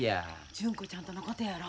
純子ちゃんとのことやろ？